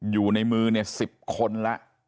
อยู่ในมือเนี่ย๑๐คนแล้ว